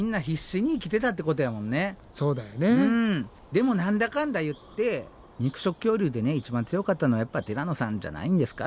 でも何だかんだ言って肉食恐竜で一番強かったのはやっぱティラノさんじゃないんですか？